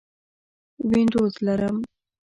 وینډوز لرم